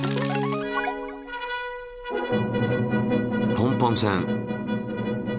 ポンポン船。